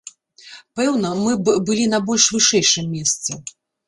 Пэўна, мы б былі на больш вышэйшым месцы.